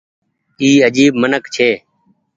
اي آجيب منک ڇي ۔